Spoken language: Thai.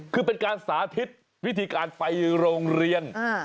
คือเป็นการสาธิตวิธีการไปโรงเรียน